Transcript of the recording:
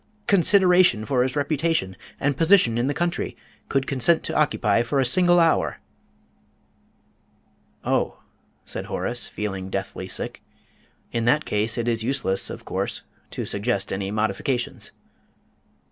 consideration for his reputation and position in the county, could consent to occupy for a single hour!" "Oh," said Horace, feeling deathly sick, "in that case it is useless, of course, to suggest any modifications."